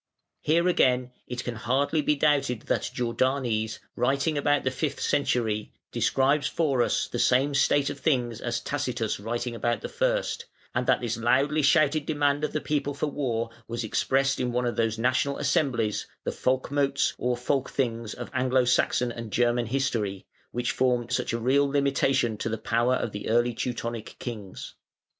Here again it can hardly be doubted that Jordanes, writing about the fifth century, describes for us the same state of things as Tacitus writing about the first, and that this loudly shouted demand of the people for war was expressed in one of those national assemblies the "Folc motes" or "Folc things" of Anglo Saxon and German history which formed such a real limitation to the power of the early Teutonic kings.